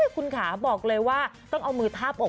คุณจ้ามีบอกว่าต้องเอามือทาบอก